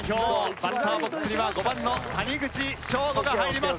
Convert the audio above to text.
バッターボックスには５番の谷口彰悟が入ります。